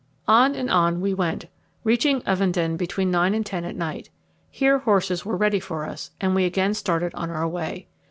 On and on we went, reaching Ovenden between nine and ten at night. Here horses were ready for us, and we again started on our way.